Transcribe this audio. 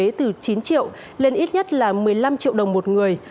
lên mức chín triệu lên ít nhất là một mươi năm triệu đồng một người